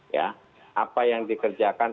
ya apa yang dikerjakan